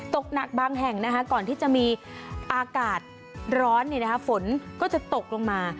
ตกหนักบางแห่งก่อนที่จะมีอากาศร้อนฝนก็จะตกลงมา